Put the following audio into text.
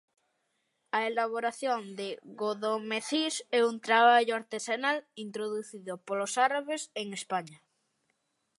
A elaboración de godomecís é un traballo artesanal introducido polos árabes en España.